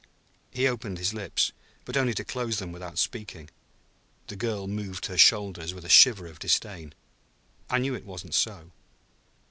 He opened his lips, but only to close them without speaking. The girl moved her shoulders with a shiver of disdain. "I knew it wasn't so."